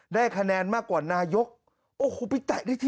ได้คะแนนมากกว่ารุมรุมป้อม